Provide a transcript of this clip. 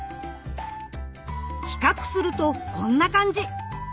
比較するとこんな感じ。